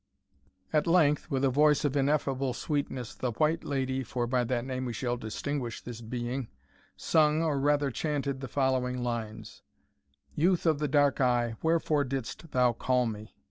At length with a voice of ineffable sweetness, the White Lady, for by that name we shall distinguish this being, sung, or rather chanted, the following lines: "Youth of the dark eye, wherefore didst thou call me?